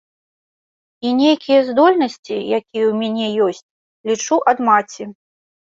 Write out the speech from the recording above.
І нейкія здольнасці, якія ў мяне ёсць, лічу, ад маці.